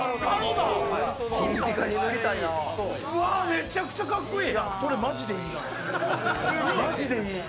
めちゃくちゃかっこいい！